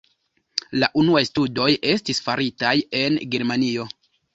La unuaj studoj estis faritaj en Germanio.